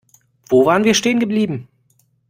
Wo waren wir stehen geblieben?